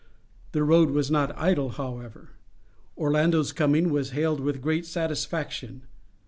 The road was not idle, however. Orlando's coming was hailed with great satisfaction.